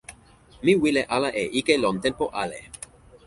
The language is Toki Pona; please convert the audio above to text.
mi wile ala e ike lon tenpo ale!